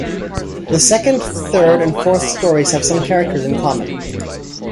The second, third and fourth stories have some characters in common.